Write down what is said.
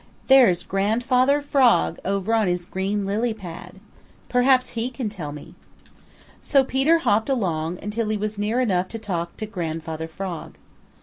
There's Grandfather Frog over on his green lily pad. Perhaps he can tell me." So Peter hopped along until he was near enough to talk to Grandfather Frog.